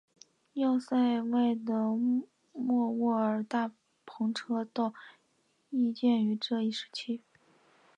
要塞外的莫卧尔大篷车道亦建于这一时期。